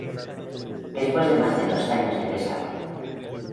Después de más de dos años de desarrollo